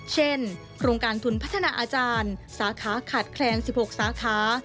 เช่นโครงการทุนพัฒนาอาจารย์สาขาขาดแคลน๑๖สาขา